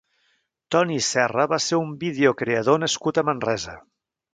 Toni Serra va ser un videocreador nascut a Manresa.